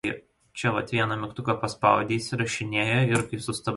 The next season she suffered a back injury.